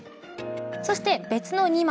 そして別の２枚。